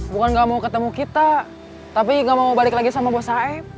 bukan gak mau ketemu kita tapi gak mau balik lagi sama bos saeb